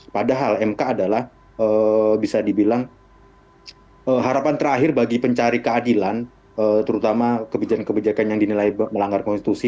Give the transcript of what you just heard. padahal mk adalah bisa dibilang harapan terakhir bagi pencari keadilan terutama kebijakan kebijakan yang dinilai melanggar konstitusi